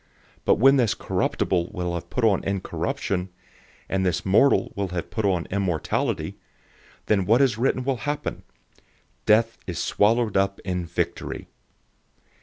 015:054 But when this corruptible will have put on incorruption, and this mortal will have put on immortality, then what is written will happen: "Death is swallowed up in victory."